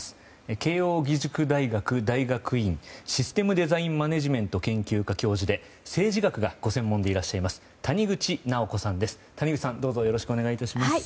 慶應大学大学院システムデザイン・マネジメント研究科教授で政治学がご専門でいらっしゃいます谷口尚子さんです。